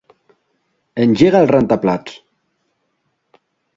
Engega el rentaplats.